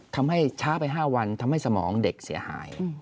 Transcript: ทำให้ช้าไป๕วันทำให้สมองเด็กเสียหาย